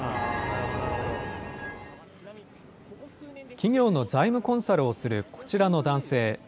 企業の財務コンサルをするこちらの男性。